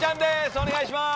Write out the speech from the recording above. お願いします。